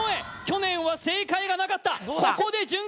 去年は正解がなかったどうだ？